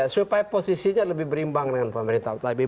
supaya posisinya lebih berimbang dengan pemerintah